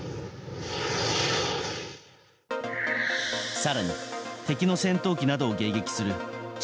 更に、敵の戦闘機などを迎撃する地